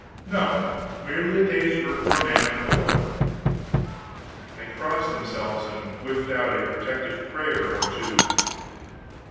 "No merely a day's work for a man and a boy." They crossed themselves, and whiffed out a protective prayer or two.